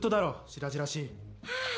しらじらしいはあ